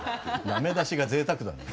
ダメ出しがぜいたくだね。